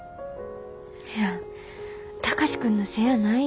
いや貴司君のせいやないよ。